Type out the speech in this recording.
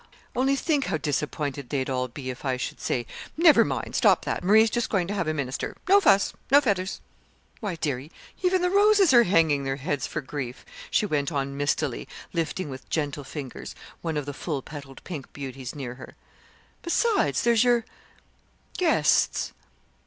Only think how disappointed they'd all be if I should say: 'Never mind stop that. Marie's just going to have a minister. No fuss, no feathers!' Why, dearie, even the roses are hanging their heads for grief," she went on mistily, lifting with gentle fingers one of the full petalled pink beauties near her. "Besides, there's your guests."